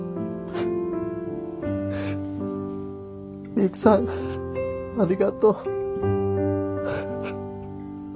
ミユキさんありがとう。